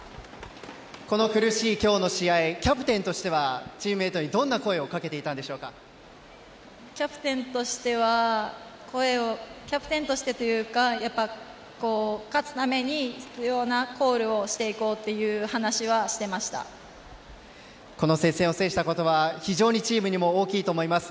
この苦しい今日の試合キャプテンとしてはチームメートにどんな声をキャプテンとしてというか勝つために必要なコールをしていこうという話はこの接戦を制したことはチームにも大きいと思います。